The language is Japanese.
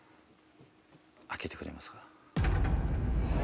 開けてくれますか。